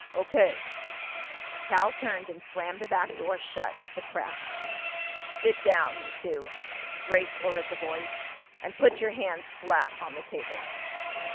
"O.K." Cal turned and slammed the back door shut with a crash. "Sit down—you two," Grace ordered the boys. "And put your hands flat on the table."